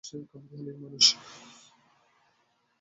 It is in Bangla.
সে খামখেয়ালি মানুষ।